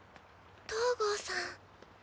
東郷さん。